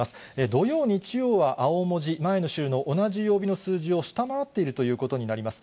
土曜、日曜は青文字、前の週の同じ曜日の数字を下回っているということになります。